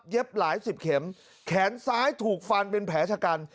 หลายสิบเข็มแขนซ้ายถูกฟันเป็นแผลชะกัน